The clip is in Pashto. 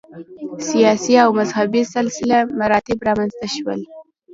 سیاسي او مذهبي سلسله مراتب رامنځته شول.